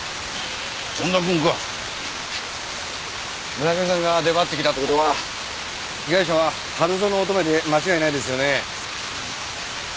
村上さんが出張ってきたって事は被害者は春薗乙女で間違いないですよね？